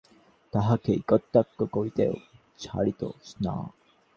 কোন কোন নির্বোধ লোক এ-জন্য তাঁহাকে কটাক্ষ করিতেও ছাড়িত না।